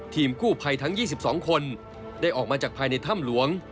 ทีมกู้ภัยทั้ง๒๒คนได้ออกมาจากภายในถ้ำหลวง